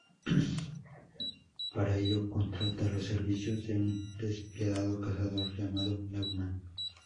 Para ello contrata los servicios de un despiadado cazador llamado "Newman".